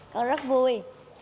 con rất vui